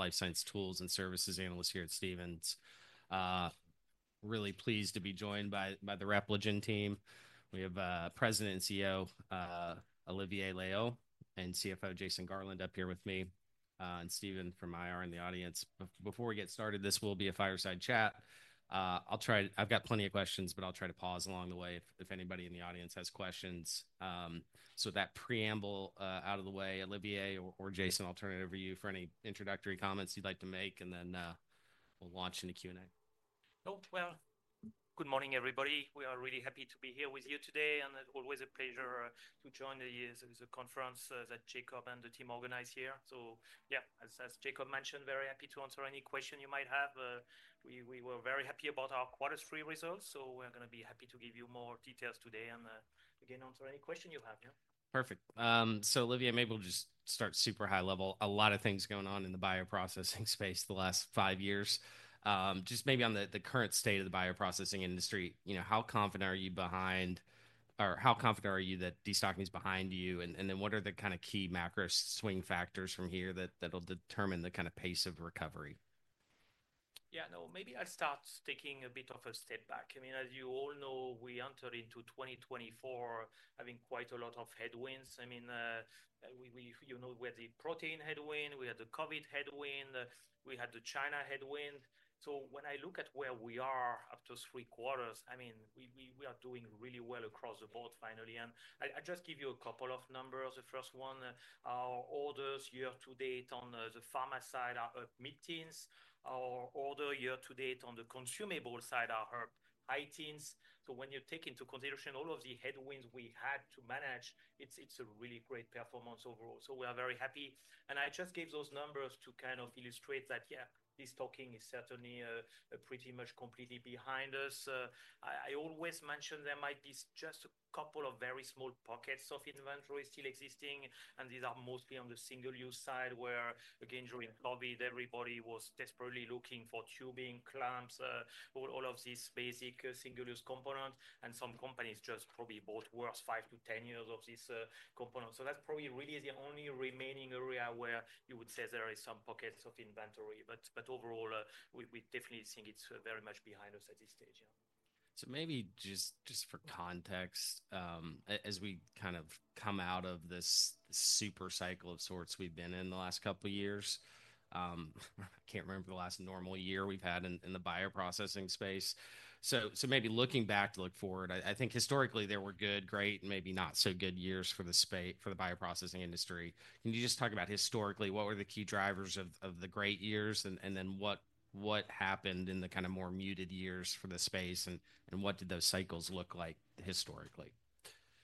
Life science tools and services analyst here at Stephens. Really pleased to be joined by the Repligen team. We have President and CEO Olivier Loeillot and CFO Jason Garland up here with me, and Steven from IR in the audience. Before we get started, this will be a fireside chat. I'll try. I've got plenty of questions, but I'll try to pause along the way if anybody in the audience has questions. So that preamble out of the way, Olivier or Jason, I'll turn it over to you for any introductory comments you'd like to make, and then we'll launch into Q&A. Oh, well, good morning, everybody. We are really happy to be here with you today, and it's always a pleasure to join the conference that Jacob and the team organize here. So, yeah, as Jacob mentioned, very happy to answer any question you might have. We were very happy about our quarter three results, so we're going to be happy to give you more details today and, again, answer any question you have. Yeah. Perfect. So, Olivier, maybe we'll just start super high level. A lot of things going on in the bioprocessing space the last five years. Just maybe on the current state of the bioprocessing industry, you know, how confident are you behind or how confident are you that destocking is behind you? And then what are the kind of key macro swing factors from here that that'll determine the kind of pace of recovery? Yeah, no, maybe I start taking a bit of a step back. I mean, as you all know, we enter into 2024 having quite a lot of headwinds. I mean, we you know, we had the protein headwind, we had the COVID headwind, we had the China headwind. So when I look at where we are after three quarters, I mean, we are doing really well across the board finally. And I just give you a couple of numbers. The first one, our orders year to date on the pharma side are up mid-teens. Our order year to date on the consumable side are up high-teens. So when you take into consideration all of the headwinds we had to manage, it's a really great performance overall. So we are very happy. I just gave those numbers to kind of illustrate that, yeah, destocking is certainly pretty much completely behind us. I always mention there might be just a couple of very small pockets of inventory still existing, and these are mostly on the single-use side where, again, during COVID, everybody was desperately looking for tubing, clamps, all of these basic single-use components, and some companies just probably bought worth five to 10 years of this component. So that's probably really the only remaining area where you would say there are some pockets of inventory. But overall, we definitely think it's very much behind us at this stage. So maybe just for context, as we kind of come out of this super cycle of sorts we've been in the last couple of years, I can't remember the last normal year we've had in the bioprocessing space. So maybe looking back to look forward, I think historically there were good, great, and maybe not so good years for the space for the bioprocessing industry. Can you just talk about historically, what were the key drivers of the great years and then what happened in the kind of more muted years for the space, and what did those cycles look like historically?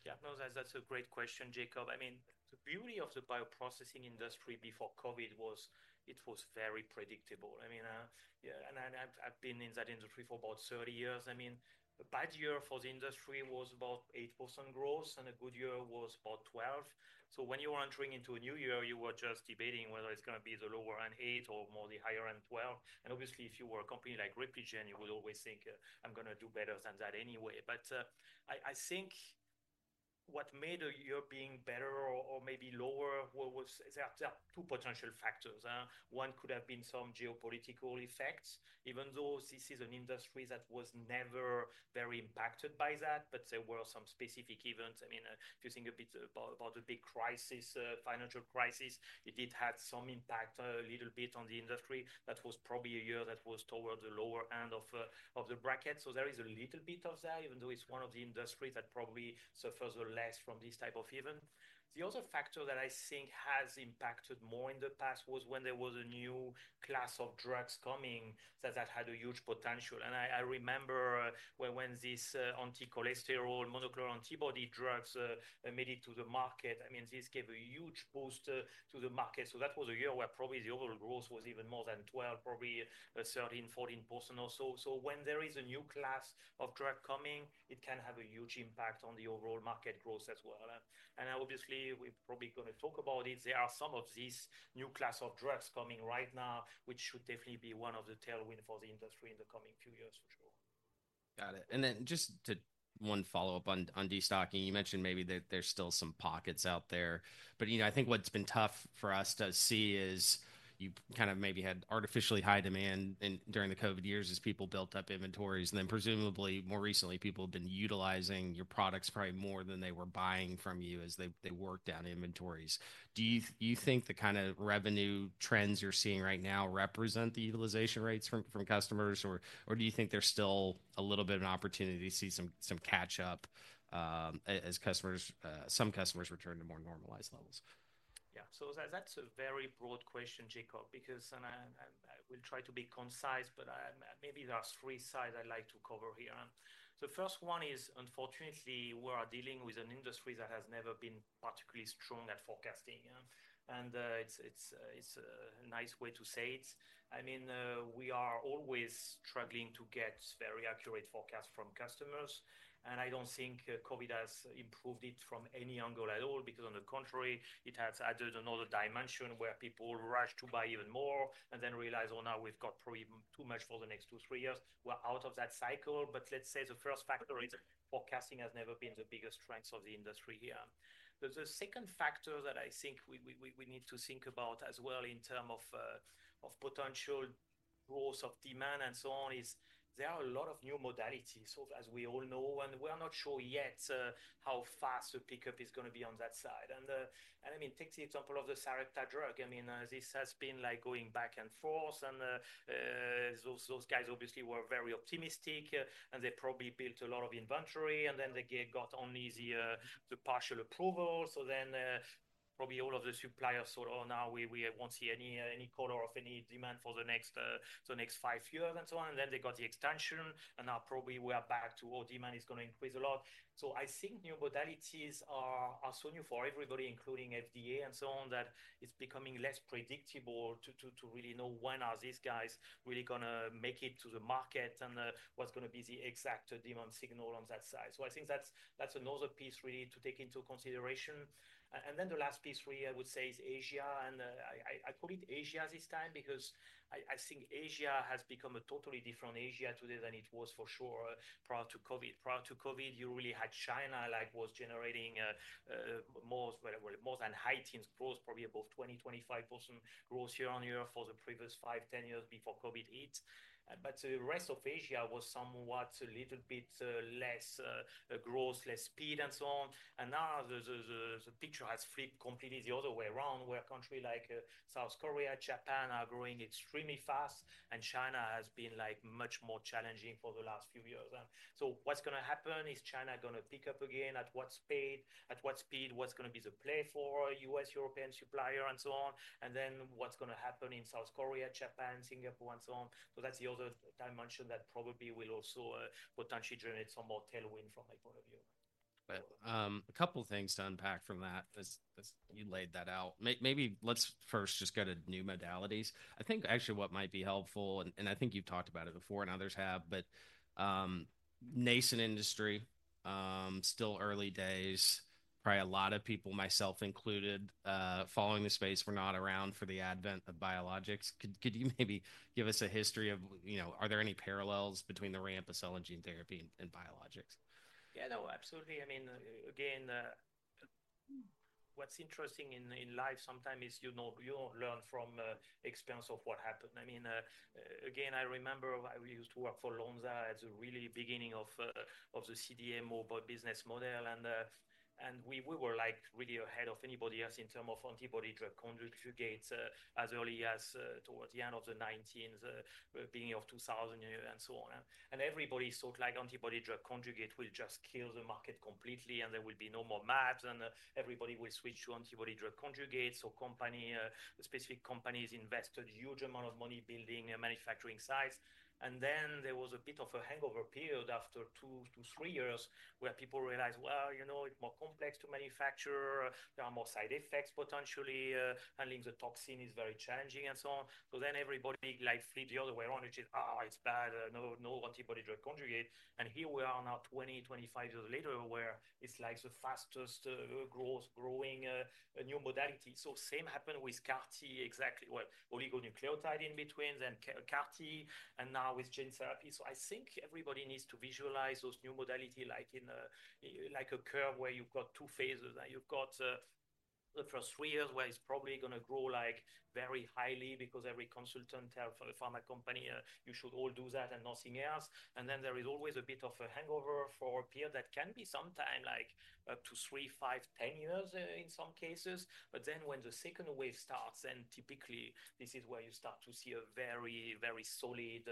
Yeah, no, that's a great question, Jacob. I mean, the beauty of the bioprocessing industry before COVID was it was very predictable. I mean, yeah, and I've been in that industry for about 30 years. I mean, a bad year for the industry was about 8% growth, and a good year was about 12%. So when you were entering into a new year, you were just debating whether it's going to be the lower end 8% or more the higher end 12%. And obviously, if you were a company like Repligen, you would always think, "I'm going to do better than that anyway." But I think what made a year being better or maybe lower was there are two potential factors. One could have been some geopolitical effects, even though this is an industry that was never very impacted by that. But there were some specific events. I mean, if you think a bit about the big crisis, financial crisis, it did have some impact a little bit on the industry. That was probably a year that was toward the lower end of the bracket. So there is a little bit of that, even though it's one of the industries that probably suffers the less from this type of event. The other factor that I think has impacted more in the past was when there was a new class of drugs coming that had a huge potential. I remember when these anti-cholesterol monoclonal antibody drugs made it to the market. I mean, this gave a huge boost to the market. So that was a year where probably the overall growth was even more than 12%, probably 13%, 14%, or so. When there is a new class of drug coming, it can have a huge impact on the overall market growth as well. Obviously, we're probably going to talk about it. There are some of these new class of drugs coming right now, which should definitely be one of the tailwinds for the industry in the coming few years, for sure. Got it. And then just to one follow-up on destocking, you mentioned maybe that there's still some pockets out there. But, you know, I think what's been tough for us to see is you kind of maybe had artificially high demand during the COVID years as people built up inventories. And then presumably more recently, people have been utilizing your products probably more than they were buying from you as they worked down inventories. Do you think the kind of revenue trends you're seeing right now represent the utilization rates from customers, or do you think there's still a little bit of an opportunity to see some catch-up, as customers, some customers return to more normalized levels? Yeah, so that's a very broad question, Jacob, because and I will try to be concise, but maybe there are three sides I'd like to cover here. The first one is, unfortunately, we are dealing with an industry that has never been particularly strong at forecasting. And it's a nice way to say it. I mean, we are always struggling to get very accurate forecasts from customers. And I don't think COVID has improved it from any angle at all, because on the contrary, it has added another dimension where people rush to buy even more and then realize, "Oh, now we've got probably too much for the next two, three years." We're out of that cycle. But let's say the first factor is forecasting has never been the biggest strength of the industry here. The second factor that I think we need to think about as well in terms of potential growth of demand and so on is there are a lot of new modalities, so as we all know, and we're not sure yet how fast the pickup is going to be on that side, and I mean, take the example of the Sarepta drug. I mean, this has been like going back and forth, and those guys obviously were very optimistic, and they probably built a lot of inventory, and then they got only the partial approval. So then probably all of the suppliers said, "Oh, now we won't see any color of any demand for the next five years and so on." And then they got the extension, and now probably we are back to, "Oh, demand is going to increase a lot." So I think new modalities are so new for everybody, including FDA and so on, that it's becoming less predictable to really know when are these guys really going to make it to the market and what's going to be the exact demand signal on that side. So I think that's another piece really to take into consideration. And then the last piece really, I would say, is Asia. And I call it Asia this time because I think Asia has become a totally different Asia today than it was for sure prior to COVID. Prior to COVID, you really had China like was generating more than high-teens growth, probably above 20%-25% growth year-on-year for the previous five, 10 years before COVID hit. But the rest of Asia was somewhat a little bit less growth, less speed, and so on. And now the picture has flipped completely the other way around, where a country like South Korea, Japan are growing extremely fast, and China has been like much more challenging for the last few years. And so what's going to happen? Is China going to pick up again at what speed? What's going to be the play for a U.S. European supplier and so on? And then what's going to happen in South Korea, Japan, Singapore, and so on? So that's the other dimension that probably will also potentially generate some more tailwind from my point of view. But a couple of things to unpack from that as you laid that out. Maybe let's first just go to new modalities. I think actually what might be helpful, and I think you've talked about it before and others have, but nascent industry, still early days, probably a lot of people, myself included, following the space were not around for the advent of biologics. Could you maybe give us a history of, you know, are there any parallels between the RAMPs of cell and gene therapy and biologics? Yeah, no, absolutely. I mean, again, what's interesting in life sometimes is, you know, you learn from experience of what happened. I mean, again, I remember I used to work for Lonza at the really beginning of the CDMO business model. And we were like really ahead of anybody else in terms of antibody drug conjugates as early as towards the end of the 1990s, beginning of 2000 and so on. And everybody thought like antibody drug conjugate will just kill the market completely and there will be no more mAbs and everybody will switch to antibody drug conjugates. So company, specific companies invested a huge amount of money building manufacturing sites. And then there was a bit of a hangover period after two to three years where people realized, well, you know, it's more complex to manufacture, there are more side effects potentially, handling the toxin is very challenging and so on. So then everybody like flipped the other way around, which is, oh, it's bad, no antibody drug conjugate. And here we are now 20 years, 25 years later where it's like the fastest growth growing new modality. So same happened with CAR-T exactly, well, oligonucleotide in between then CAR-T and now with gene therapy. So I think everybody needs to visualize those new modality like in like a curve where you've got two phases and you've got the first three years where it's probably going to grow like very highly because every consultant for the pharma company, you should all do that and nothing else. And then there is always a bit of a hangover for a period that can be sometimes like up to three, five, 10 years in some cases. But then when the second wave starts, then typically this is where you start to see a very, very solid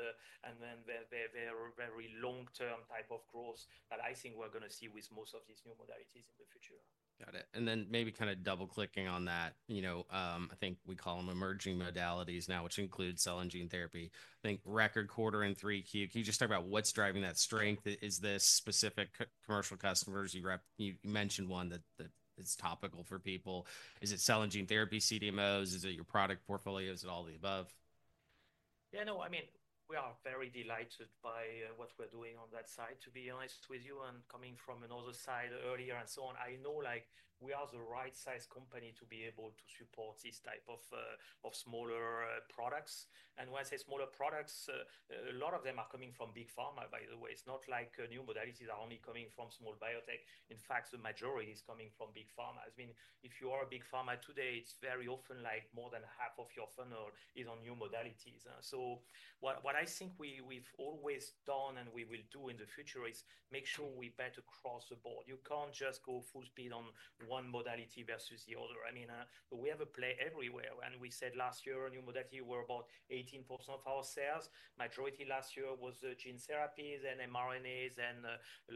and then very, very long-term type of growth that I think we're going to see with most of these new modalities in the future. Got it. And then maybe kind of double-clicking on that, you know, I think we call them emerging modalities now, which includes cell and gene therapy. I think record quarter in Q3, can you just talk about what's driving that strength? Is it specific commercial customers? You mentioned one that is topical for people. Is it cell and gene therapy CDMOs? Is it your product portfolios and all the above? Yeah, no, I mean, we are very delighted by what we're doing on that side, to be honest with you. And coming from another side earlier and so on, I know like we are the right size company to be able to support this type of smaller products. And when I say smaller products, a lot of them are coming from big pharma, by the way. It's not like new modalities are only coming from small biotech. In fact, the majority is coming from big pharma. I mean, if you are a big pharma today, it's very often like more than half of your funnel is on new modalities. So what I think we've always done and we will do in the future is make sure we better cross the board. You can't just go full speed on one modality versus the other. I mean, we have a play everywhere. And we said last year new modality were about 18% of our sales. Majority last year was gene therapies and mRNAs and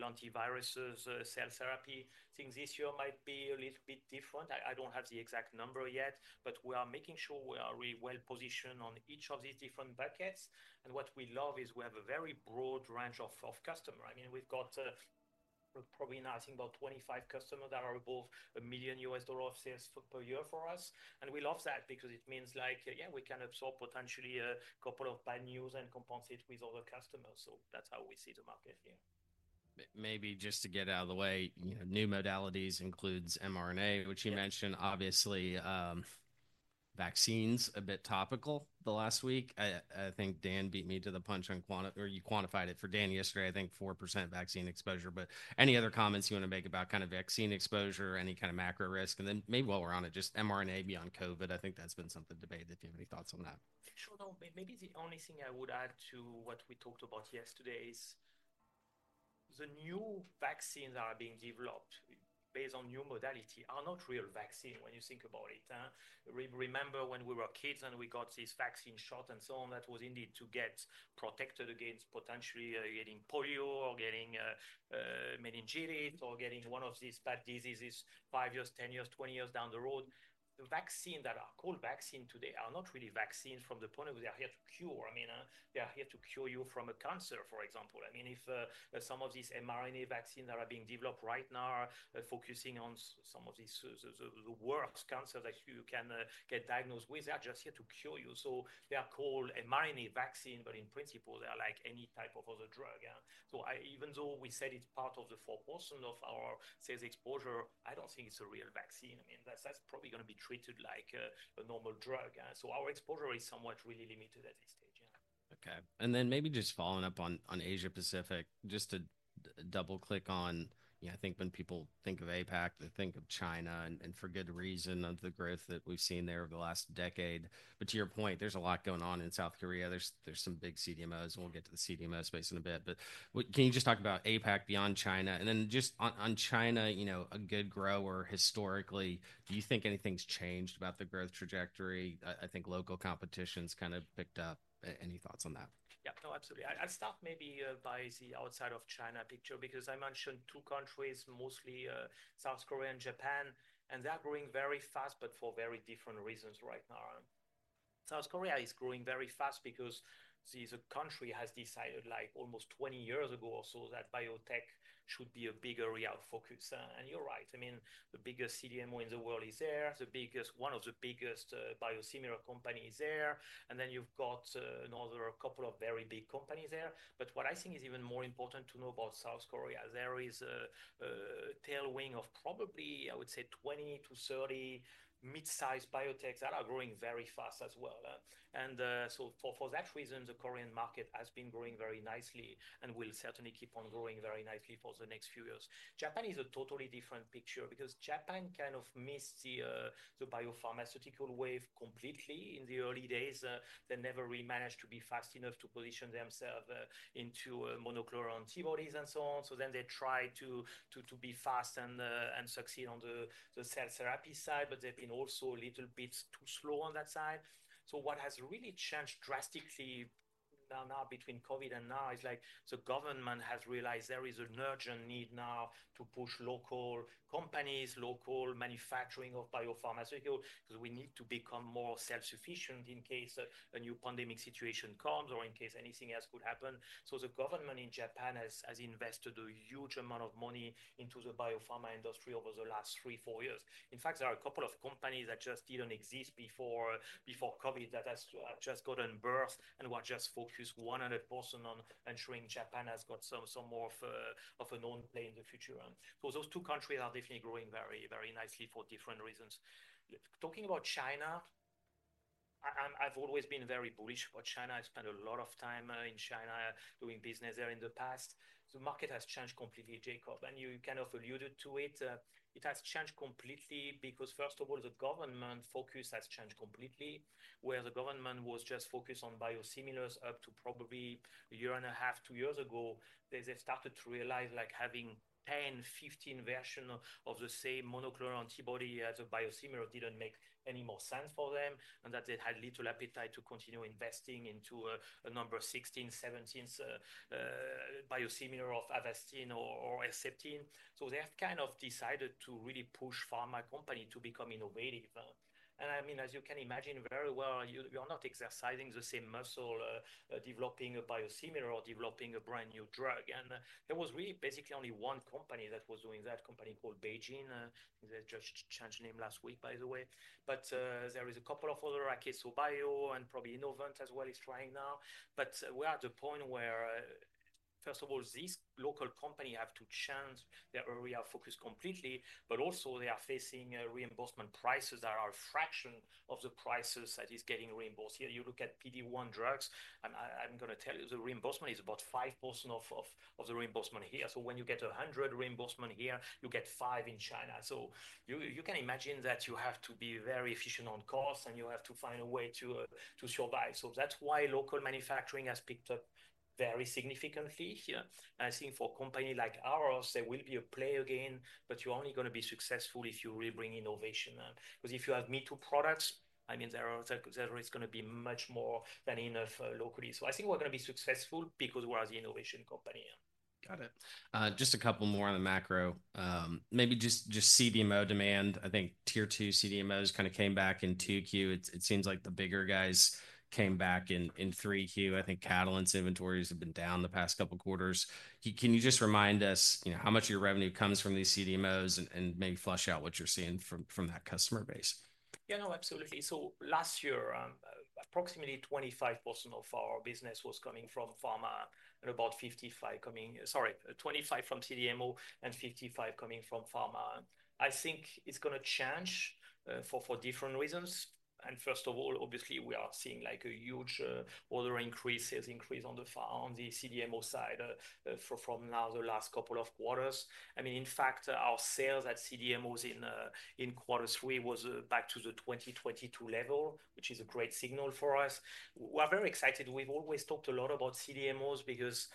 antiviruses cell therapy. I think this year might be a little bit different. I don't have the exact number yet, but we are making sure we are really well positioned on each of these different buckets. And what we love is we have a very broad range of customers. I mean, we've got probably, I think, about 25 customers that are above $1 million of sales per year for us. And we love that because it means like, yeah, we can absorb potentially a couple of bad news and compensate with other customers. So that's how we see the market here. Maybe just to get out of the way, new modalities includes mRNA, which you mentioned. Obviously, vaccines a bit topical the last week. I think Dan beat me to the punch on quantity, or you quantified it for Dan yesterday, I think 4% vaccine exposure. But any other comments you want to make about kind of vaccine exposure, any kind of macro risk? And then maybe while we're on it, just mRNA beyond COVID, I think that's been something debated. If you have any thoughts on that. Sure. No, maybe the only thing I would add to what we talked about yesterday is the new vaccines that are being developed based on new modality are not real vaccine when you think about it. Remember when we were kids and we got this vaccine shot and so on, that was indeed to get protected against potentially getting polio or getting meningitis or getting one of these bad diseases five years, 10 years, 20 years down the road. The vaccine that are called vaccine today are not really vaccines from the point of view. They are here to cure. I mean, they are here to cure you from a cancer, for example. I mean, if some of these mRNA vaccines that are being developed right now are focusing on some of these the worst cancers that you can get diagnosed with, they are just here to cure you. So they are called mRNA vaccine, but in principle, they are like any type of other drug. So even though we said it's part of the 4% of our sales exposure, I don't think it's a real vaccine. I mean, that's probably going to be treated like a normal drug. So our exposure is somewhat really limited at this stage. Okay, and then maybe just following up on Asia Pacific, just to double-click on, you know, I think when people think of APAC, they think of China and for good reason of the growth that we've seen there over the last decade. But to your point, there's a lot going on in South Korea. There's some big CDMOs, and we'll get to the CDMO space in a bit. But can you just talk about APAC beyond China? And then just on China, you know, a good grower historically, do you think anything's changed about the growth trajectory? I think local competition's kind of picked up. Any thoughts on that? Yeah, no, absolutely. I'll start maybe by the outside of China picture because I mentioned two countries, mostly South Korea and Japan, and they're growing very fast, but for very different reasons right now. South Korea is growing very fast because the country has decided like almost 20 years ago or so that biotech should be a big area of focus. And you're right. I mean, the biggest CDMO in the world is there. The biggest, one of the biggest biosimilar companies there. And then you've got another couple of very big companies there. But what I think is even more important to know about South Korea, there is a tailwind of probably, I would say, 20-30 mid-sized biotechs that are growing very fast as well. For that reason, the Korean market has been growing very nicely and will certainly keep on growing very nicely for the next few years. Japan is a totally different picture because Japan kind of missed the biopharmaceutical wave completely in the early days. They never really managed to be fast enough to position themselves into monoclonal antibodies and so on. So then they tried to be fast and succeed on the cell therapy side, but they've been also a little bit too slow on that side. What has really changed drastically now between COVID and now is like the government has realized there is an urgent need now to push local companies, local manufacturing of biopharmaceuticals because we need to become more self-sufficient in case a new pandemic situation comes or in case anything else could happen. The government in Japan has invested a huge amount of money into the biopharma industry over the last three, four years. In fact, there are a couple of companies that just didn't exist before COVID that have just gotten birth and were just focused 100% on ensuring Japan has got some more of an own play in the future. Those two countries are definitely growing very, very nicely for different reasons. Talking about China, I've always been very bullish about China. I spent a lot of time in China doing business there in the past. The market has changed completely, Jacob, and you kind of alluded to it. It has changed completely because, first of all, the government focus has changed completely, where the government was just focused on biosimilars up to probably a year and a half, two years ago. They started to realize like having 10, 15 versions of the same monoclonal antibody as a biosimilar didn't make any more sense for them and that they had little appetite to continue investing into a number 16, 17 biosimilar of Avastin or Herceptin. So they have kind of decided to really push pharma companies to become innovative. And I mean, as you can imagine very well, you're not exercising the same muscle developing a biosimilar or developing a brand new drug. And there was really basically only one company that was doing that, a company called BeiGene. They just changed name last week, by the way. But there is a couple of others, Akeso Bio and probably Innovent as well is trying now. But we are at the point where, first of all, these local companies have to change their area of focus completely, but also they are facing reimbursement prices that are a fraction of the prices that is getting reimbursed. Here you look at PD-1 drugs, and I'm going to tell you the reimbursement is about 5% of the reimbursement here. So when you get 100% reimbursement here, you get 5% in China. So you can imagine that you have to be very efficient on costs and you have to find a way to survive. So that's why local manufacturing has picked up very significantly here. I think for a company like ours, there will be a play again, but you're only going to be successful if you really bring innovation. Because if you have me-too products, I mean, there is going to be much more than enough locally. So I think we're going to be successful because we're an innovation company. Got it. Just a couple more on the macro. Maybe just CDMO demand. I think tier two CDMOs kind of came back in Q2. It seems like the bigger guys came back in Q3. I think Catalent's inventories have been down the past couple of quarters. Can you just remind us, you know, how much of your revenue comes from these CDMOs and maybe flesh out what you're seeing from that customer base? Yeah, no, absolutely. Last year, approximately 25% of our business was coming from pharma and about 55% coming, sorry, 25$ from CDMO and 55% coming from pharma. I think it's going to change for different reasons. First of all, obviously, we are seeing like a huge order increase, sales increase on the CDMO side from now the last couple of quarters. I mean, in fact, our sales at CDMOs in quarter three was back to the 2022 level, which is a great signal for us. We're very excited. We've always talked a lot about CDMOs because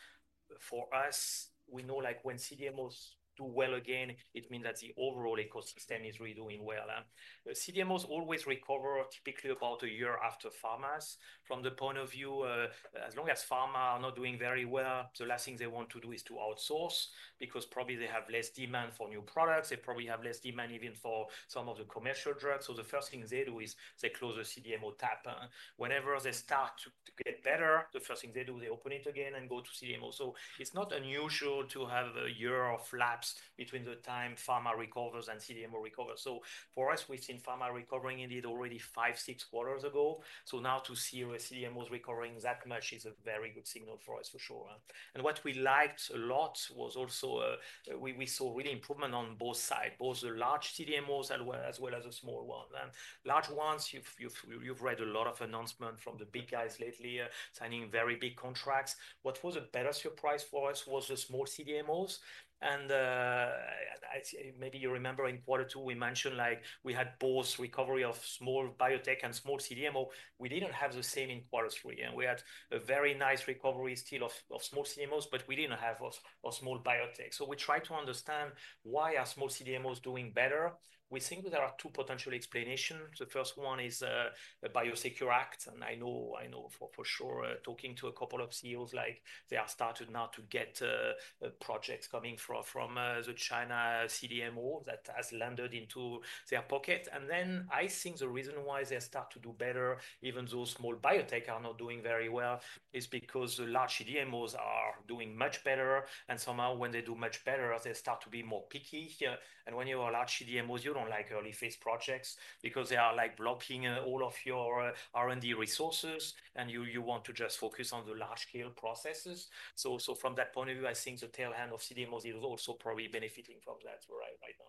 for us, we know like when CDMOs do well again, it means that the overall ecosystem is really doing well. CDMOs always recover typically about a year after pharmas from the point of view. As long as pharma are not doing very well, the last thing they want to do is to outsource because probably they have less demand for new products. They probably have less demand even for some of the commercial drugs, so the first thing they do is they close the CDMO tap. Whenever they start to get better, the first thing they do, they open it again and go to CDMO, so it's not unusual to have a year of lapse between the time pharma recovers and CDMO recovers, so for us, we've seen pharma recovering indeed already five, six quarters ago, so now to see CDMOs recovering that much is a very good signal for us for sure, and what we liked a lot was also we saw really improvement on both sides, both the large CDMOs as well as the small ones. Large ones, you've read a lot of announcements from the big guys lately signing very big contracts. What was a better surprise for us was the small CDMOs. And I maybe you remember in quarter two, we mentioned like we had both recovery of small biotech and small CDMO. We didn't have the same in quarter three. And we had a very nice recovery still of small CDMOs, but we didn't have a small biotech. So we tried to understand why are small CDMOs doing better. We think there are two potential explanations. The first one is a BIOSECURE Act. And I know for sure, talking to a couple of CEOs, like they are started now to get projects coming from the China CDMO that has landed into their pocket. And then I think the reason why they start to do better, even though small biotech are not doing very well, is because the large CDMOs are doing much better. And somehow when they do much better, they start to be more picky. And when you are large CDMOs, you don't like early phase projects because they are like blocking all of your R&D resources and you want to just focus on the large scale processes. So from that point of view, I think the tail end of CDMOs is also probably benefiting from that right now.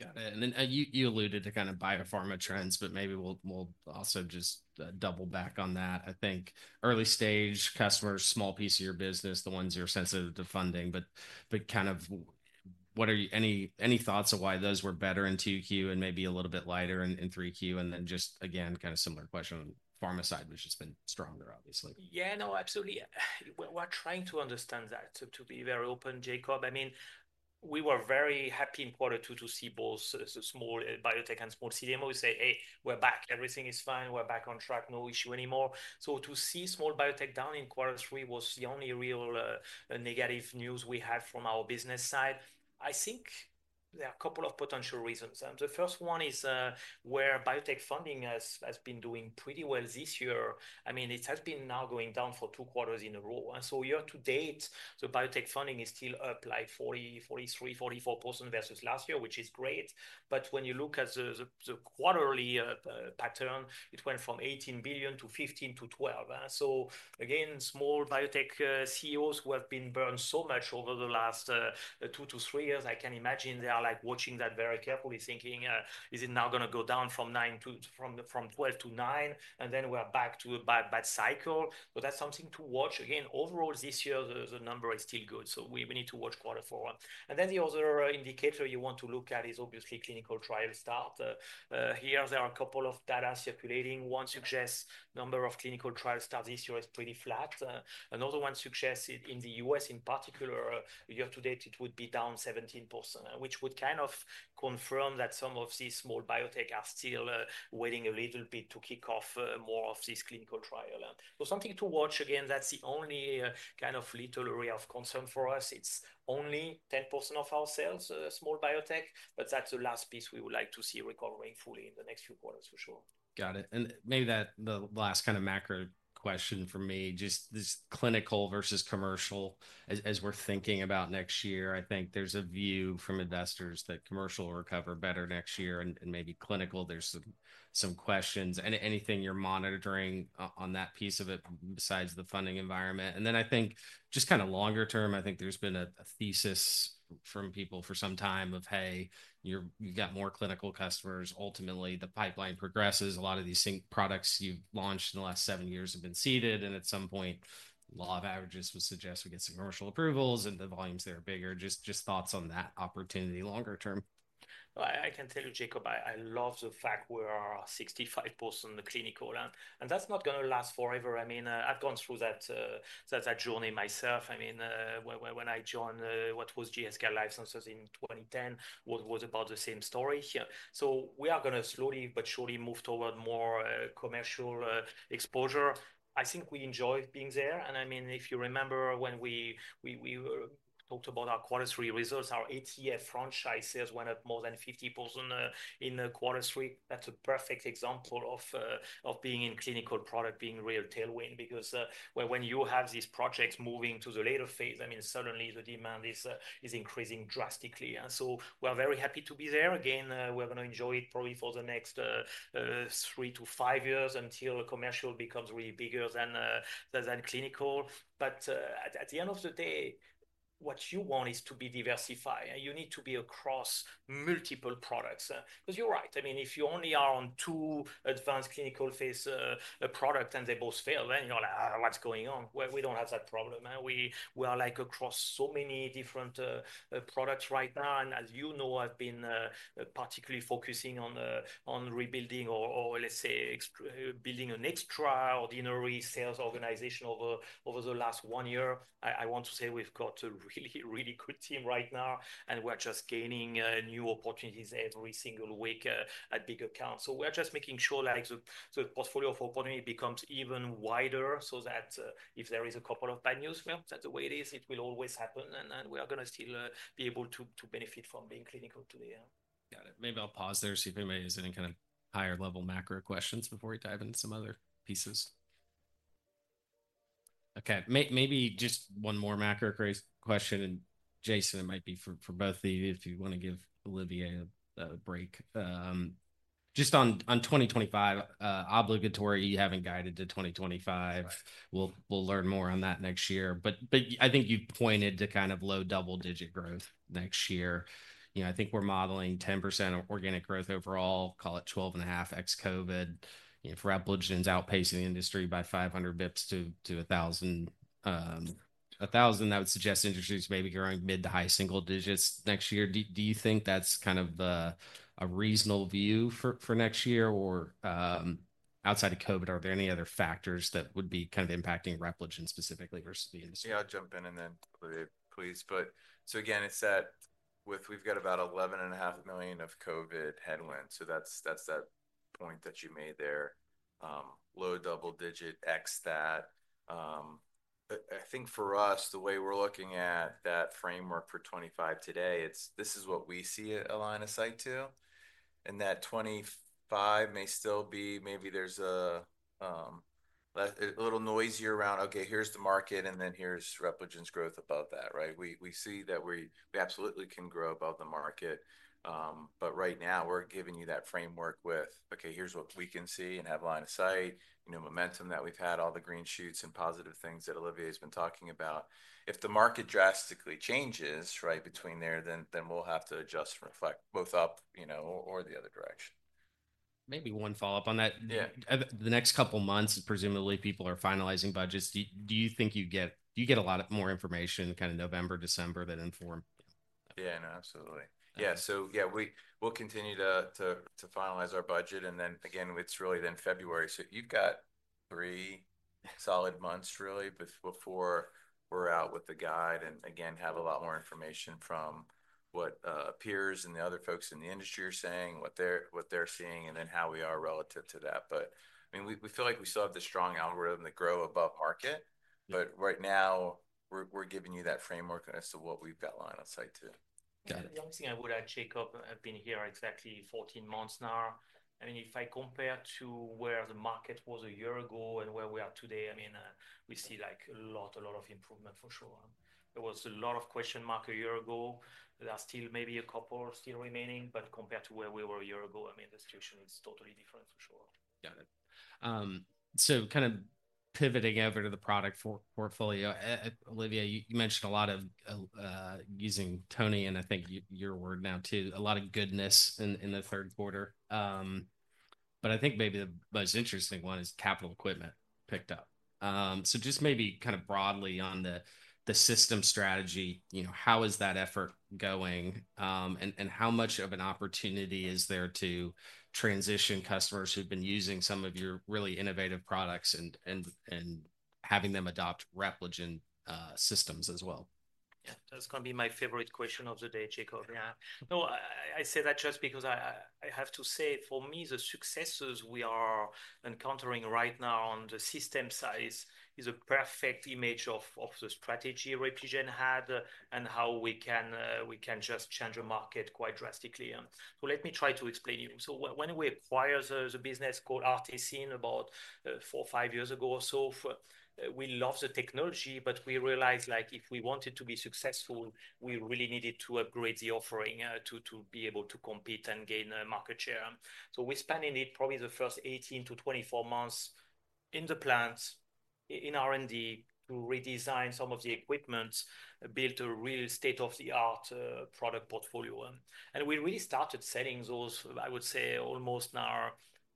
Got it. And then you alluded to kind of biopharma trends, but maybe we'll also just double back on that. I think early stage customers, small piece of your business, the ones you're sensitive to funding, but kind of what are any thoughts of why those were better in 2Q and maybe a little bit lighter in 3Q? And then just again, kind of similar question on pharma side, which has been stronger, obviously. Yeah, no, absolutely. We're trying to understand that to be very open, Jacob. I mean, we were very happy in quarter two to see both the small biotech and small CDMOs say, "Hey, we're back. Everything is fine. We're back on track. No issue anymore." So to see small biotech down in quarter three was the only real negative news we had from our business side. I think there are a couple of potential reasons. The first one is where biotech funding has been doing pretty well this year. I mean, it has been now going down for two quarters in a row. And so year to date, the biotech funding is still up like 43%-44% versus last year, which is great. But when you look at the quarterly pattern, it went from $18 billion to $15 billion to $12 billion. So again, small biotech CEOs who have been burned so much over the last two to three years, I can imagine they are like watching that very carefully, thinking, "Is it now going to go down from 9 to from 12 to 9 and then we're back to a bad cycle?" So that's something to watch. Again, overall this year, the number is still good. So we need to watch quarter four. And then the other indicator you want to look at is obviously clinical trial start. Here there are a couple of data circulating. One suggests the number of clinical trial starts this year is pretty flat. Another one suggests in the U.S. in particular, year to date, it would be down 17%, which would kind of confirm that some of these small biotech are still waiting a little bit to kick off more of this clinical trial. Something to watch. Again, that's the only kind of little area of concern for us. It's only 10% of our sales, small biotech, but that's the last piece we would like to see recovering fully in the next few quarters for sure. Got it. And maybe that's the last kind of macro question for me, just this clinical versus commercial, as we're thinking about next year. I think there's a view from investors that commercial will recover better next year and maybe clinical. There's some questions and anything you're monitoring on that piece of it besides the funding environment. And then I think just kind of longer term, I think there's been a thesis from people for some time of, "Hey, you've got more clinical customers. Ultimately, the pipeline progresses. A lot of these products you've launched in the last seven years have been seeded." And at some point, a lot of analysts would suggest we get some commercial approvals and the volumes that are bigger. Just thoughts on that opportunity longer term? I can tell you, Jacob, I love the fact we are 65% clinical, and that's not going to last forever. I mean, I've gone through that journey myself. I mean, when I joined what was GE Life Sciences in 2010, what was about the same story here, so we are going to slowly but surely move toward more commercial exposure. I think we enjoy being there, and I mean, if you remember when we talked about our quarter three results, our ATF franchise sales went up more than 50% in quarter three. That's a perfect example of being in clinical product being real tailwind because when you have these projects moving to the later phase, I mean, suddenly the demand is increasing drastically, and so we're very happy to be there. Again, we're going to enjoy it probably for the next three to five years until commercial becomes really bigger than clinical. But at the end of the day, what you want is to be diversified. You need to be across multiple products because you're right. I mean, if you only are on two advanced clinical phase products and they both fail, then you're like, "What's going on?" We don't have that problem. We are like across so many different products right now. And as you know, I've been particularly focusing on rebuilding or, let's say, building an extraordinary sales organization over the last one year. I want to say we've got a really, really good team right now, and we're just gaining new opportunities every single week at bigger accounts. So we're just making sure, like, the portfolio of opportunity becomes even wider so that if there is a couple of bad news, well, that's the way it is. It will always happen. And we are going to still be able to benefit from being clinical today. Got it. Maybe I'll pause there and see if anybody has any kind of higher level macro questions before we dive into some other pieces. Okay. Maybe just one more macro question. And Jason, it might be for both of you if you want to give Olivier a break. Just on 2025, obligatory having guided to 2025. We'll learn more on that next year. But I think you've pointed to kind of low double digit growth next year. I think we're modeling 10% organic growth overall, call it 12.5% ex-COVID. For Repligen outpacing the industry by 500 basis points to 1,000 basis points. 1,000 basis points, that would suggest industry is maybe growing mid to high single digits next year. Do you think that's kind of a reasonable view for next year? Or outside of COVID, are there any other factors that would be kind of impacting Repligen specifically versus the industry? Yeah, I'll jump in and then Olivier, please. But so again, it's that we've got about $11.5 million of COVID headwinds. So that's that point that you made there. Low double-digit ex that. I think for us, the way we're looking at that framework for 2025 today, this is what we see a line of sight to. And that 2025 may still be maybe there's a little noise around, "Okay, here's the market, and then here's Repligen's growth above that," right? We see that we absolutely can grow above the market. But right now, we're giving you that framework with, "Okay, here's what we can see and have a line of sight," momentum that we've had, all the green shoots and positive things that Olivier has been talking about. If the market drastically changes right between there, then we'll have to adjust and reflect both up or the other direction. Maybe one follow-up on that. The next couple of months, presumably people are finalizing budgets. Do you think you get a lot more information kind of November, December that inform? Yeah, no, absolutely. Yeah. So yeah, we'll continue to finalize our budget. And then again, it's really then February. So you've got three solid months really before we're out with the guide and again, have a lot more information from what peers and the other folks in the industry are saying, what they're seeing, and then how we are relative to that. But I mean, we feel like we still have the strong algorithm to grow above market. But right now, we're giving you that framework as to what we've got line of sight to. Got it. The only thing I would add, Jacob, I've been here exactly 14 months now. I mean, if I compare to where the market was a year ago and where we are today, I mean, we see like a lot, a lot of improvement for sure. There was a lot of question mark a year ago. There are still maybe a couple still remaining, but compared to where we were a year ago, I mean, the situation is totally different for sure. Got it. So kind of pivoting over to the product portfolio, Olivier, you mentioned a lot, using Tony's word now too, a lot of goodness in the third quarter. But I think maybe the most interesting one is capital equipment picked up. So just maybe kind of broadly on the system strategy, how is that effort going and how much of an opportunity is there to transition customers who've been using some of your really innovative products and having them adopt Repligen systems as well? That's going to be my favorite question of the day, Jacob. I say that just because I have to say for me, the successes we are encountering right now on the system size is a perfect image of the strategy Repligen had and how we can just change a market quite drastically. So let me try to explain to you. So when we acquired the business called ARTeSYN about four, five years ago or so, we love the technology, but we realized like if we wanted to be successful, we really needed to upgrade the offering to be able to compete and gain market share. So we spent in it probably the first 18 to 24 months in the plants in R&D to redesign some of the equipment, build a real state-of-the-art product portfolio. And we really started selling those, I would say, almost now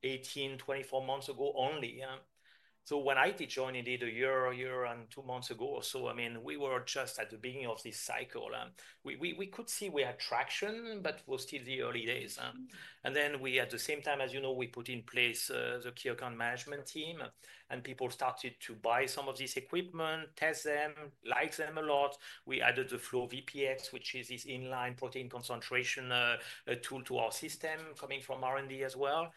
18 months, 24 months ago only. When I joined, indeed, a year and two months ago or so, I mean, we were just at the beginning of this cycle. We could see we had traction, but it was still the early days. Then we, at the same time, as you know, we put in place the key account management team and people started to buy some of this equipment, test them, like them a lot. We added the FlowVPX, which is this inline protein concentration tool to our system coming from R&D as well.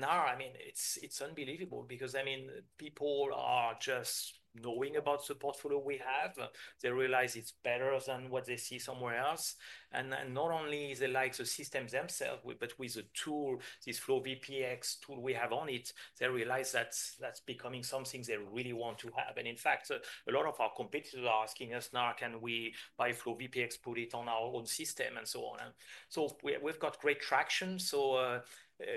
Now, I mean, it's unbelievable because I mean, people are just knowing about the portfolio we have. They realize it's better than what they see somewhere else. And not only is it like the systems themselves, but with the tool, this FlowVPX tool we have on it, they realize that's becoming something they really want to have. And in fact, a lot of our competitors are asking us, "Now, can we buy FlowVPX, put it on our own system?" and so on. So we've got great traction. So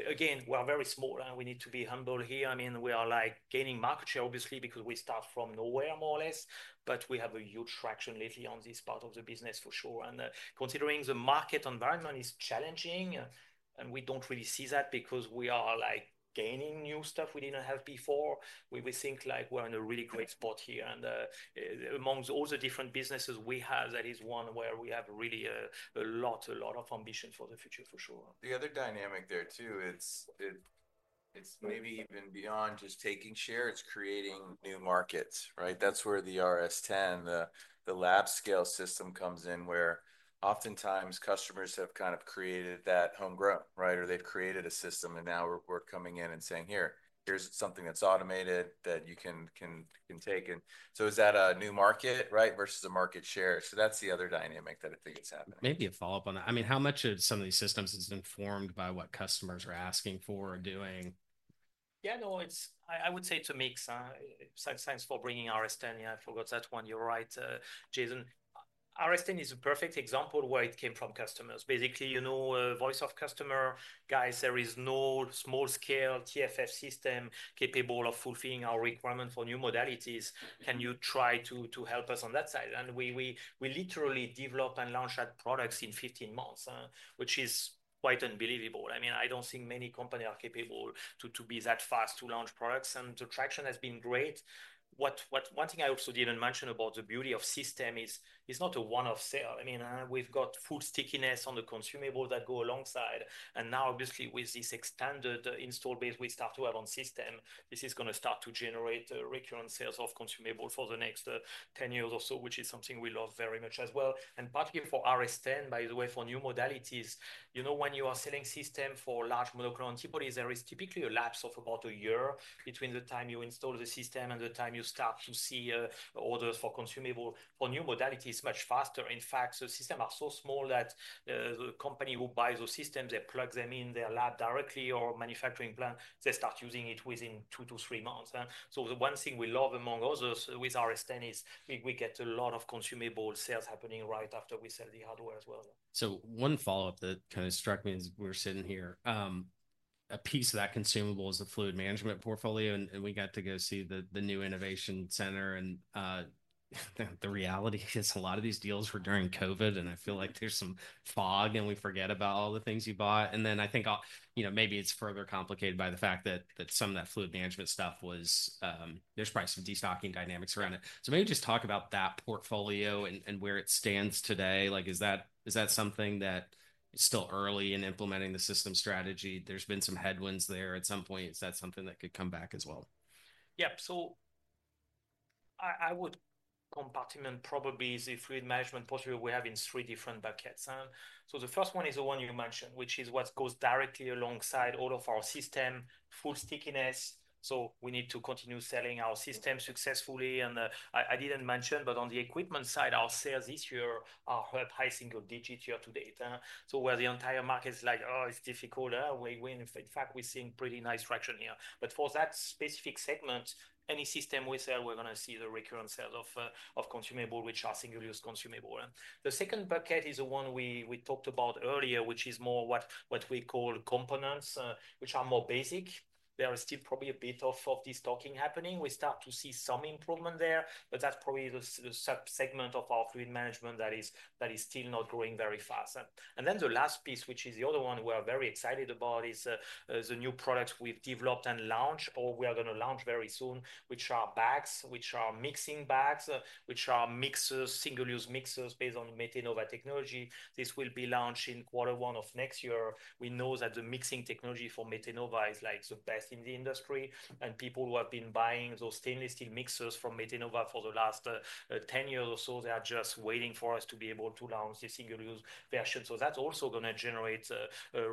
again, we're very small and we need to be humble here. I mean, we are like gaining market share, obviously, because we start from nowhere more or less, but we have a huge traction lately on this part of the business for sure. And considering the market environment is challenging and we don't really see that because we are like gaining new stuff we didn't have before, we think like we're in a really great spot here. Among all the different businesses we have, that is one where we have really a lot, a lot of ambition for the future for sure. The other dynamic there too, it's maybe even beyond just taking share, right? That's where the RS10, the lab scale system comes in where oftentimes customers have kind of created that homegrown, right? Or they've created a system and now we're coming in and saying, "Here, here's something that's automated that you can take," and so is that a new market, right, versus a market share, so that's the other dynamic that I think is happening. Maybe a follow-up on that. I mean, how much of some of these systems is informed by what customers are asking for or doing? Yeah, no, I would say to make sense for bringing RS10. I forgot that one. You're right, Jason. RS10 is a perfect example where it came from customers. Basically, you know, voice of customer, guys, there is no small scale TFF system capable of fulfilling our requirement for new modalities. Can you try to help us on that side? And we literally developed and launched that product in 15 months, which is quite unbelievable. I mean, I don't think many companies are capable to be that fast to launch products. And the traction has been great. One thing I also didn't mention about the beauty of system is it's not a one-off sale. I mean, we've got full stickiness on the consumable that go alongside. Now, obviously, with this expanded install base, we start to have on system. This is going to start to generate recurrent sales of consumable for the next 10 years or so, which is something we love very much as well. Particularly for RS10, by the way, for new modalities, you know, when you are selling system for large monoclonal antibodies, there is typically a lapse of about a year between the time you install the system and the time you start to see orders for consumable for new modalities much faster. In fact, the systems are so small that the company who buys the systems, they plug them in their lab directly or manufacturing plant. They start using it within two to three months. So the one thing we love among others with RS10 is we get a lot of consumable sales happening right after we sell the hardware as well. One follow-up that kind of struck me as we're sitting here, a piece of that consumable is the fluid management portfolio. We got to go see the new innovation center. The reality is a lot of these deals were during COVID. I feel like there's some fog and we forget about all the things you bought. I think, you know, maybe it's further complicated by the fact that some of that fluid management stuff was, there's probably some destocking dynamics around it. Maybe just talk about that portfolio and where it stands today. Like, is that something that is still early in implementing the system strategy? There's been some headwinds there at some point. Is that something that could come back as well? Yeah. So I would compartmentalize probably the fluid management portfolio we have in three different buckets. So the first one is the one you mentioned, which is what goes directly alongside all of our system, full stickiness. So we need to continue selling our system successfully. And I didn't mention, but on the equipment side, our sales this year are at high single digit year to date. So where the entire market is like, "Oh, it's difficult." In fact, we're seeing pretty nice traction here. But for that specific segment, any system we sell, we're going to see the recurrent sales of consumable, which are single-use consumable. The second bucket is the one we talked about earlier, which is more what we call components, which are more basic. There is still probably a bit of destocking happening. We start to see some improvement there, but that's probably the subsegment of our fluid management that is still not growing very fast, and then the last piece, which is the other one we're very excited about, is the new products we've developed and launched or we are going to launch very soon, which are bags, which are mixing bags, which are mixers, single-use mixers based on Metenova technology. This will be launched in quarter one of next year. We know that the mixing technology for Metenova is like the best in the industry, and people who have been buying those stainless steel mixers from Metenova for the last 10 years or so, they are just waiting for us to be able to launch the single-use version, so that's also going to generate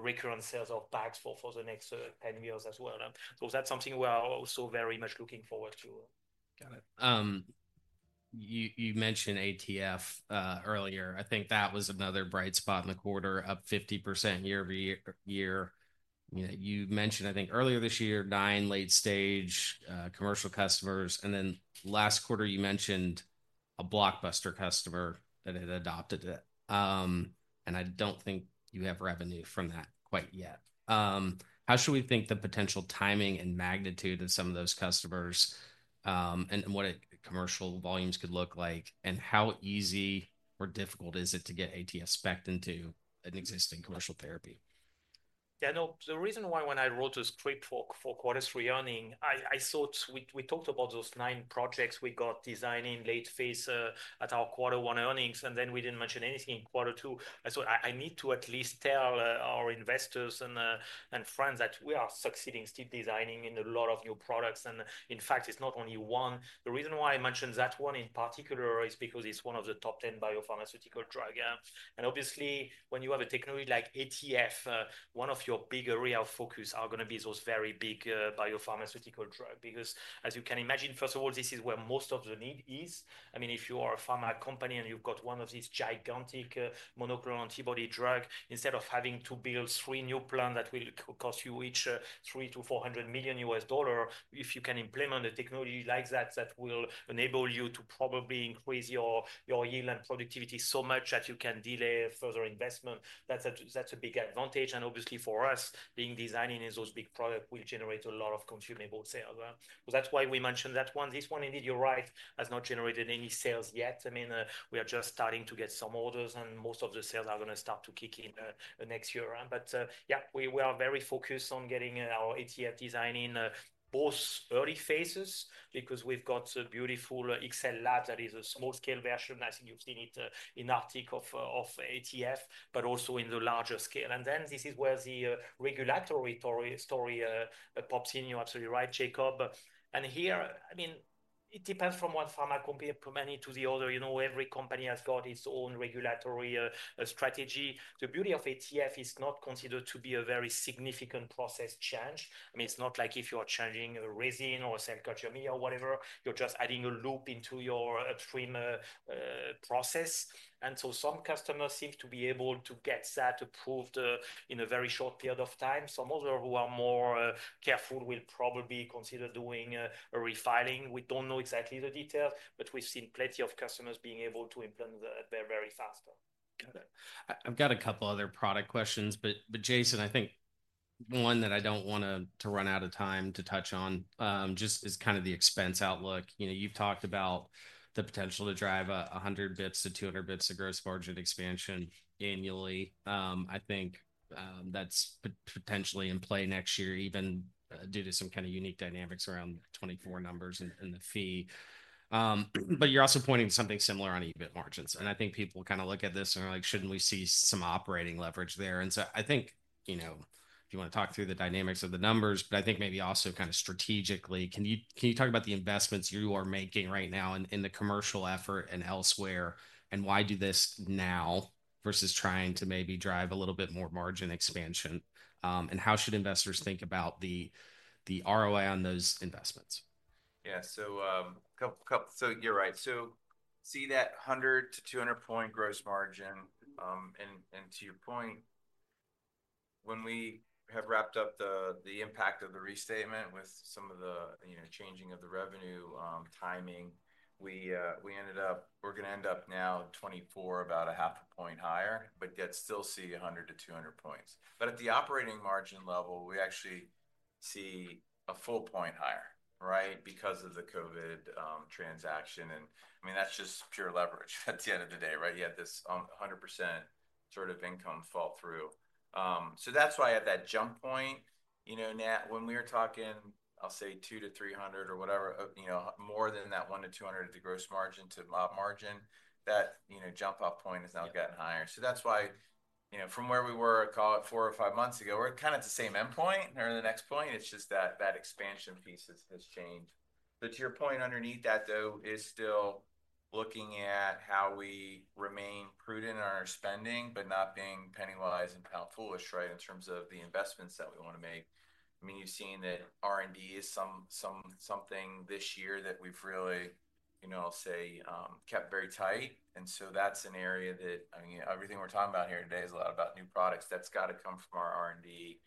recurrent sales of bags for the next 10 years as well. That's something we are also very much looking forward to. Got it. You mentioned ATF earlier. I think that was another bright spot in the quarter, up 50% year-over-year. You mentioned, I think earlier this year, nine late-stage commercial customers. And then last quarter, you mentioned a blockbuster customer that had adopted it. And I don't think you have revenue from that quite yet. How should we think the potential timing and magnitude of some of those customers and what commercial volumes could look like? And how easy or difficult is it to get ATF spec'd into an existing commercial therapy? Yeah, no, the reason why when I wrote the script for quarter three earnings, I thought we talked about those nine projects we got designed in late phase at our quarter one earnings, and then we didn't mention anything in quarter two. I thought I need to at least tell our investors and friends that we are succeeding still designing in a lot of new products, and in fact, it's not only one. The reason why I mentioned that one in particular is because it's one of the top 10 biopharmaceutical drugs. And obviously, when you have a technology like ATF, one of your big area of focus are going to be those very big biopharmaceutical drugs because, as you can imagine, first of all, this is where most of the need is. I mean, if you are a pharma company and you've got one of these gigantic monoclonal antibody drugs, instead of having to build three new plants that will cost you each $300 million-$400 million, if you can implement a technology like that, that will enable you to probably increase your yield and productivity so much that you can delay further investment, that's a big advantage. And obviously, for us, being designing in those big products will generate a lot of consumable sales. So that's why we mentioned that one. This one, indeed, you're right, has not generated any sales yet. I mean, we are just starting to get some orders and most of the sales are going to start to kick in next year. But yeah, we are very focused on getting our ATF design in both early phases because we've got a beautiful XCell Lab that is a small scale version. I think you've seen it in a kit of ATF, but also in the larger scale. And then this is where the regulatory story pops in. You're absolutely right, Jacob. And here, I mean, it depends from one pharma company to another. You know, every company has got its own regulatory strategy. The beauty of ATF is not considered to be a very significant process change. I mean, it's not like if you're changing a resin or a cell culture media or whatever, you're just adding a loop into your upstream process. And so some customers seem to be able to get that approved in a very short period of time. Some others who are more careful will probably consider doing a refiling. We don't know exactly the details, but we've seen plenty of customers being able to implement that very, very fast. Got it. I've got a couple other product questions, but Jason, I think one that I don't want to run out of time to touch on just is kind of the expense outlook. You've talked about the potential to drive 100 basis points to 200 basis points of gross margin expansion annually. I think that's potentially in play next year even due to some kind of unique dynamics around the 2024 numbers and the TFF. But you're also pointing to something similar on EBIT margins. And I think people kind of look at this and are like, "Shouldn't we see some operating leverage there?" And so I think, you know, if you want to talk through the dynamics of the numbers, but I think maybe also kind of strategically, can you talk about the investments you are making right now in the commercial effort and elsewhere? Why do this now versus trying to maybe drive a little bit more margin expansion? How should investors think about the ROI on those investments? Yeah, so you're right. So, see that 100 point gross margin-200 point gross margin. And to your point, when we have wrapped up the impact of the restatement with some of the changing of the revenue timing, we ended up, we're going to end up now 2024, about 0.5 point higher, but yet still see 100 points-200 points. But at the operating margin level, we actually see 1 point higher, right? Because of the COVID transaction. And I mean, that's just pure leverage at the end of the day, right? You had this 100% sort of income fall through. So that's why at that jump point, you know, when we were talking, I'll say 200-300 or whatever, you know, more than that 100-200 of the gross margin to op margin, that jump-off point has now gotten higher. So that's why, you know, from where we were, call it four or five months ago, we're kind of at the same end point or the next point. It's just that that expansion piece has changed. But to your point, underneath that though, is still looking at how we remain prudent on our spending, but not being pennywise and pound foolish, right? In terms of the investments that we want to make. I mean, you've seen that R&D is something this year that we've really, you know, I'll say kept very tight. And so that's an area that, I mean, everything we're talking about here today is a lot about new products that's got to come from our R&D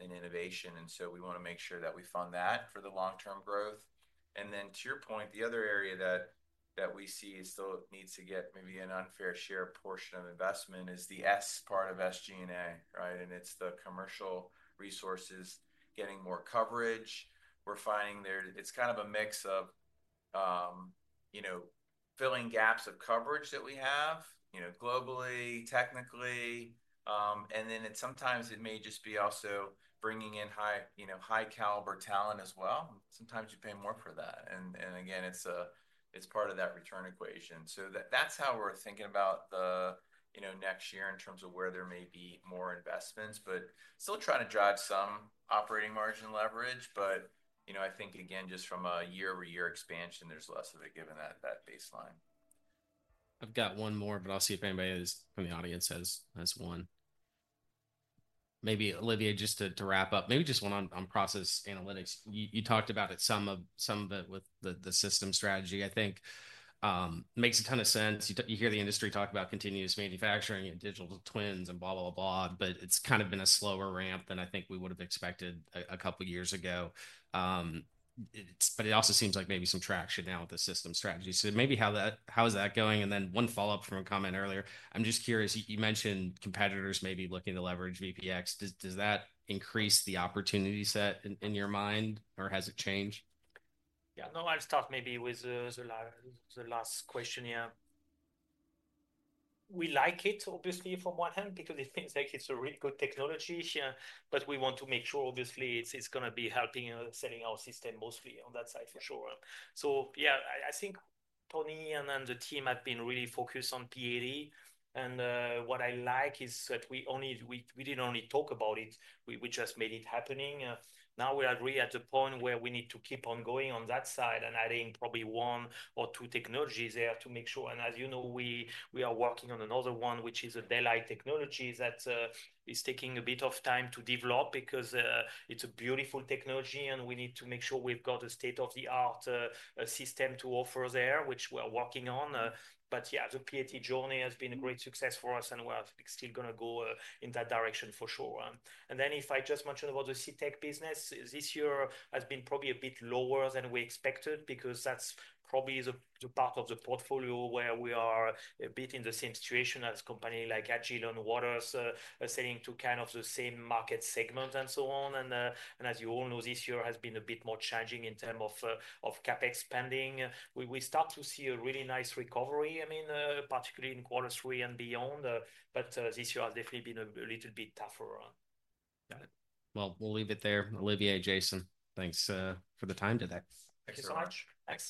and innovation. And so we want to make sure that we fund that for the long-term growth. And then, to your point, the other area that we see still needs to get maybe an unfair share portion of investment is the S part of SG&A, right? And it's the commercial resources getting more coverage. We're finding there it's kind of a mix of, you know, filling gaps of coverage that we have, you know, globally, technically. And then sometimes it may just be also bringing in high, you know, high-caliber talent as well. Sometimes you pay more for that. And again, it's part of that return equation. So that's how we're thinking about the, you know, next year in terms of where there may be more investments, but still trying to drive some operating margin leverage. But, you know, I think again, just from a year-over-year expansion, there's less of it given that baseline. I've got one more, but I'll see if anybody from the audience has one. Maybe Olivier, just to wrap up, maybe just one on Process Analytics. You talked about it some of it with the system strategy. I think makes a ton of sense. You hear the industry talk about continuous manufacturing and digital twins and blah, blah, blah, blah, but it's kind of been a slower ramp than I think we would have expected a couple of years ago. But it also seems like maybe some traction now with the system strategy. So maybe how is that going? And then one follow-up from a comment earlier. I'm just curious, you mentioned competitors maybe looking to leverage VPX. Does that increase the opportunity set in your mind or has it changed? Yeah, no, I just thought maybe with the last question here. We like it, obviously, on one hand, because it seems like it's a really good technology, but we want to make sure, obviously, it's going to be helping selling our system mostly on that side for sure. So yeah, I think Tony and the team have been really focused on PAT. And what I like is that we didn't only talk about it, we just made it happen. Now we are really at the point where we need to keep on going on that side and adding probably one or two technologies there to make sure. And as you know, we are working on another one, which is a DeltaV technology that is taking a bit of time to develop because it's a beautiful technology and we need to make sure we've got a state-of-the-art system to offer there, which we're working on. But yeah, the PAT journey has been a great success for us and we're still going to go in that direction for sure. And then if I just mentioned about the C Technologies business, this year has been probably a bit lower than we expected because that's probably the part of the portfolio where we are a bit in the same situation as a company like Agilent and Waters selling to kind of the same market segment and so on. And as you all know, this year has been a bit more changing in terms of CapEx spending. We start to see a really nice recovery, I mean, particularly in quarter three and beyond, but this year has definitely been a little bit tougher. Got it. Well, we'll leave it there. Olivier, Jason, thanks for the time today. Thank you so much. Thanks.